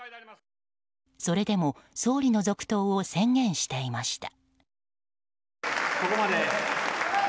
それでも総理の続投を宣言していました。